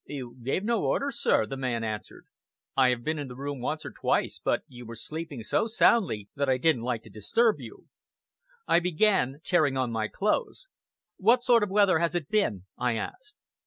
"You gave no orders, sir," the man answered. "I have been in the room once or twice, but you were sleeping so soundly that I didn't like to disturb you." I began tearing on my clothes. "What sort of weather has it been?" I asked.